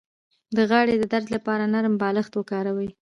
د غاړې د درد لپاره نرم بالښت وکاروئ